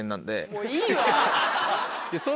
もういいわ！